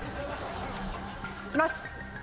いきます。